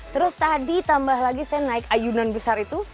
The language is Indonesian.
terus tadi tambah lagi saya naik ayunan besar itu